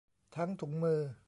ทั้งถุงมือ